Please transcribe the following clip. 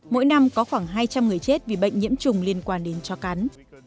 mỗi năm có khoảng hai trăm linh người chết vì bệnh nhiễm trùng liên quan đến cho cắn